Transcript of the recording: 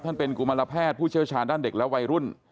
เป็นกุมารแพทย์ผู้เชี่ยวชาญด้านเด็กและวัยรุ่น